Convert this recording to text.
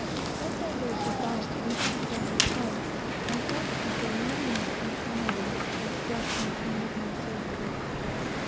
As I bade good by to each successive place, I felt as though one link after another were struck from the chain of my servitude.